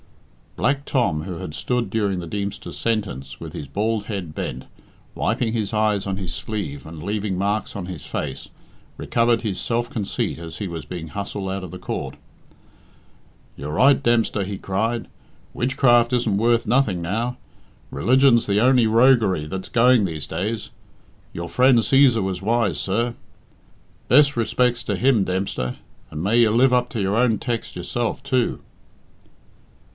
Black Tom, who had stood during the Deemster's sentence with his bald head bent, wiping his eyes on his sleeve and leaving marks on his face, recovered his self conceit as he was being hustled out of court. "You're right, Dempster," he cried. "Witchcraft isn't worth nothing now. Religion's the only roguery that's going these days. Your friend Cæsar was wise, sir. Bes' re spec's to him, Dempster, and may you live up to your own tex' yourself, too."